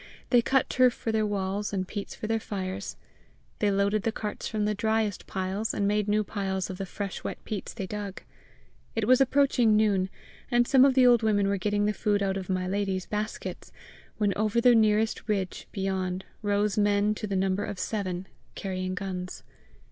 They cut turf for their walls and peats for their fires; they loaded the carts from the driest piles, and made new piles of the fresh wet peats they dug. It was approaching noon, and some of the old women were getting the food out of "my lady's" baskets, when over the nearest ridge beyond rose men to the number of seven, carrying guns.